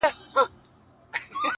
زما گراني مهرباني گلي ‘